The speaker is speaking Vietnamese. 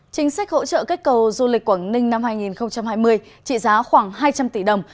chính sách hỗ trợ kết cầu du lịch quảng ninh năm hai nghìn hai mươi trị giá khoảng hai trăm linh tỷ đồng